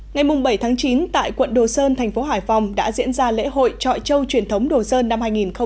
ngày bảy chín tại quận đồ sơn thành phố hải phòng đã diễn ra lễ hội trọi trâu truyền thống đồ sơn năm hai nghìn một mươi chín